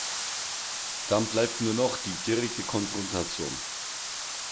Dann bleibt nur noch die direkte Konfrontation.